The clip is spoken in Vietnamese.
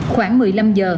khoảng một mươi năm giờ